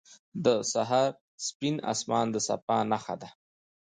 • د سهار سپین آسمان د صفا نښه ده.